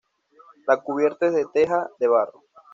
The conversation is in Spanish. La cubierta es de teja de barro.